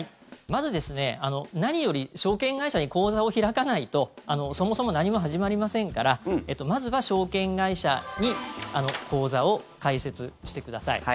まず何より証券会社に口座を開かないとそもそも何も始まりませんからまずは証券会社に口座を開設してください。